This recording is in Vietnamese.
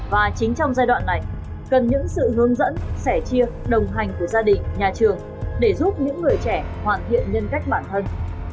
và chính trong giai đoạn này cần những sự hướng dẫn sẻ chia đồng hành của gia đình nhà trường để giúp những người trẻ hoàn thiện nhân cách bản thân